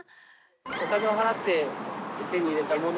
お金を払って手に入れたもの。